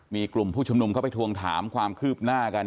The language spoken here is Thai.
มีกลุ่มผู้ชุมนุมเข้าไปทวงถามความคืบหน้ากัน